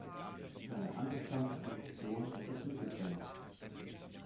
Seine angestammte Position ist das Mittelfeld.